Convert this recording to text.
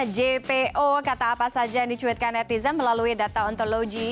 jpo kata apa saja yang dicuitkan netizen melalui data ontologi